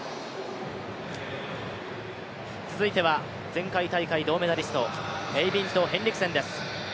続いては前回大会銅メダリスト、エイビンド・ヘンリクセンです。